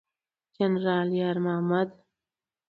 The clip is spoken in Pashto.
جنرال یار محمد